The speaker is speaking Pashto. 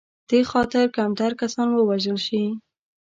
دې خاطر کمتر کسان ووژل شي.